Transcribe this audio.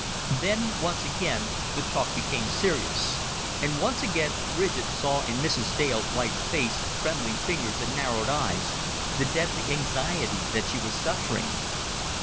Then once again the talk became serious; and once again Ridgett saw in Mrs. Dale's white face, trembling fingers, and narrowed eyes, the deadly anxiety that she was suffering.